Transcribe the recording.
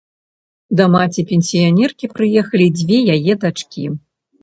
Да маці-пенсіянеркі прыехалі дзве яе дачкі.